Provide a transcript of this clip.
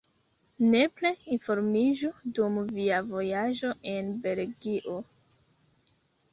Nepre informiĝu dum via vojaĝo en Belgio!